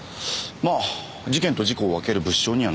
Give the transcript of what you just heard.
まあ事件と事故を分ける物証にはならないですよね。